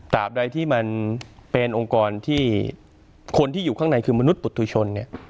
ใดที่มันเป็นองค์กรที่คนที่อยู่ข้างในคือมนุษย์ปุตุชนเนี่ย